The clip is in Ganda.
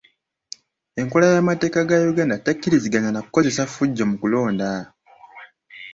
Enkola y'amateeka ga Uganda tekkiriziganya na kukozesa ffujjo mu kulonda.